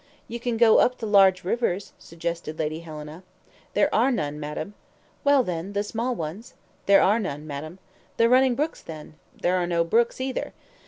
"You can go up the large rivers," suggested Lady Helena. "There are none, madam." "Well, then, the small ones." "There are none, madam." "The running brooks, then." "There are no brooks, either."